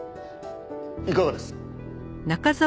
いかがです？